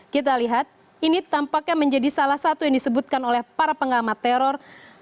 kita lihat ini tampaknya menjadi salah satu yang disebutkan oleh para pengamat teror